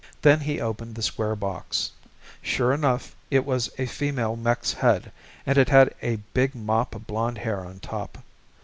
Then he opened the square box. Sure enough, it was a female mech's head and it had a big mop of blonde hair on top.